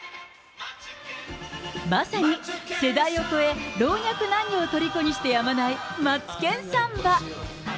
まさに世代を超え、老若男女をとりこにしてやまないマツケンサンバ。